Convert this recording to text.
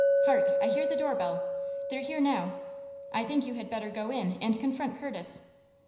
Hark! I hear the door bell. They're here now. I think you had better go in and confront Curtis."